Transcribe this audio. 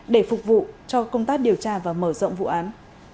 để phục vụ cho công tác điều tra và mở rộng vụ án